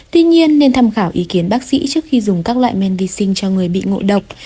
tuy nhiên nên tham khảo ý kiến bác sĩ trước khi dùng các loại men vi sinh cho người bị ngộ độc